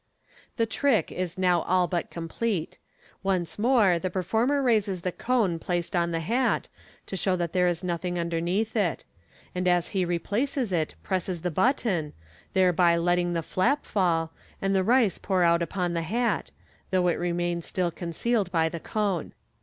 The trick is now all but complete. Once more the performer raises the cone placed on the hat, to show that there is nothing underneath it ; and as he replaces it presses the button, thereby letting the flap fall, and the rice pour out upon th*3 hat, though it remains still concealed by the cone.